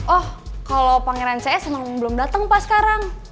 oh kalo pangeran cs memang belum dateng pak sekarang